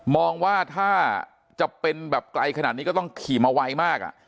มองว่าถ้าจะเป็นแบบไกลขนาดนี้ก็ต้องขี่มาไวมาก